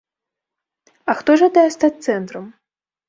А хто жадае стаць цэнтрам?